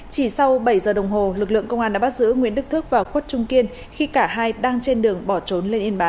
chỉ sau bảy giờ đồng hồ lực lượng công an đã bắt giữ nguyễn đức và khuất trung kiên khi cả hai đang trên đường bỏ trốn lên yên bái